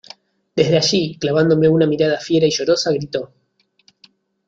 desde allí, clavándome una mirada fiera y llorosa , gritó: